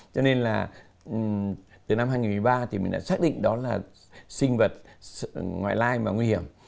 cho nên là từ năm hai nghìn một mươi ba thì mình đã xác định đó là sinh vật ngoại lai mà nguy hiểm